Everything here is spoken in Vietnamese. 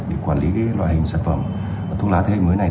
để quản lý loại hình sản phẩm thuốc lá thế hệ mới này